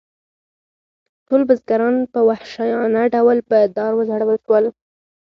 ټول بزګران په وحشیانه ډول په دار وځړول شول.